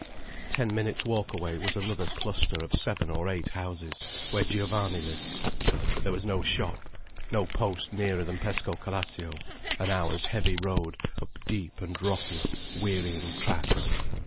Ten minutes' walk away was another cluster of seven or eight houses, where Giovanni lived. But there was no shop, no post nearer than Pescocalascio, an hour's heavy road up deep and rocky, wearying tracks.